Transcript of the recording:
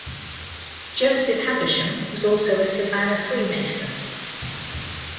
Joseph Habersham was also a Savannah Freemason.